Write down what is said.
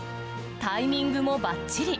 タイミングもばっちり。